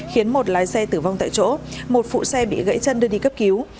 khiến một lái xe tử vong tại chỗ một phụ xe bị gãy chân đưa đi cấp cứu